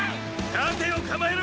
盾を構えろ！